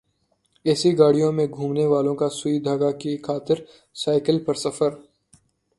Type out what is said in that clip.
اے C گاڑیوں میں گھومنے والوں کا سوئی دھاگا کی خاطر سائیکل پر سفر